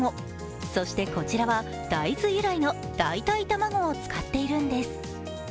そして、こちらは大豆由来の代替卵を使っているんです。